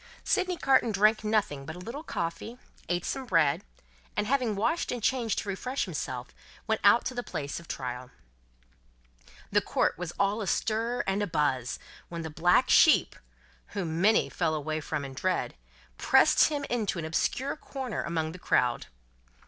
Sydney Carton drank nothing but a little coffee, ate some bread, and, having washed and changed to refresh himself, went out to the place of trial. The court was all astir and a buzz, when the black sheep whom many fell away from in dread pressed him into an obscure corner among the crowd.